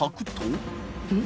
うん？